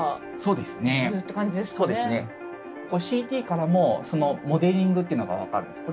ＣＴからもモデリングっていうのが分かるんです。